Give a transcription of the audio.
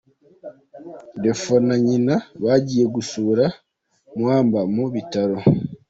Defoe na nyina bagiye gusura Muamba mu bitaro.